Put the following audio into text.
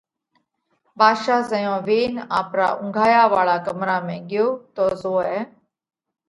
ڀاڌشا زئيون وينَ آپرا اُونگھايا واۯا ڪمرا ۾ ڳيو تو زوئه